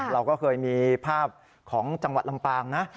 เราก็เคยมีภาพของจังหวัดลำปางนะ